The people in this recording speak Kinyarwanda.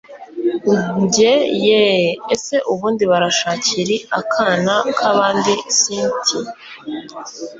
njye yeeeeh! ese ubundi barashakiri akana kabandi cynti!